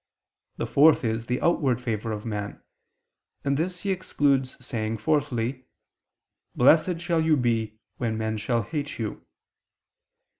The fourth is the outward favor of man; and this he excludes, saying, fourthly: "Blessed shall you be, when men shall hate you."